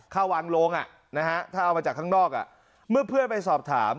เข้าวางโลงถ้าเอามาจากข้างนอกเมื่อเพื่อนไปสอบถาม